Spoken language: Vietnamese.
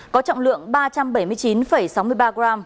có trọng lượng ba trăm bảy mươi chín sáu mươi ba gram